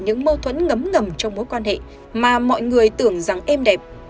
những mâu thuẫn ngấm ngầm trong mối quan hệ mà mọi người tưởng rằng êm đẹp